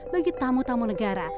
bagi tamu tamu negara